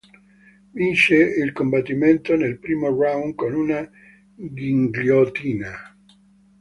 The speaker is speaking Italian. Vince il combattimento nel primo round con una ghigliottina.